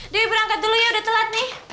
dewi berangkat dulu ya udah telat nih